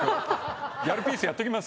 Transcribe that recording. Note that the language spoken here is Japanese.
ギャルピースやっときます？